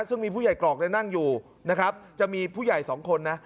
ซึ่งมีผู้ใหญ่กรอกนั่งอยู่นะครับจะมีผู้ใหญ่สองคนนะ